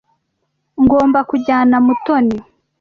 Ngomba kujyana Mutoni.